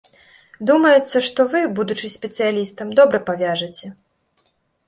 Думаецца, што вы, будучы спецыялістам, добра павяжаце.